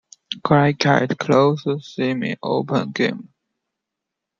Character: Closed, Semi-open game.